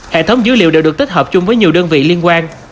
hệ thống dữ liệu đều được tích hợp chung với nhiều đơn vị liên quan